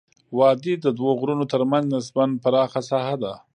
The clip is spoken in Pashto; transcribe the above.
وادي د دوه غرونو ترمنځ نسبا پراخه ساحه ده.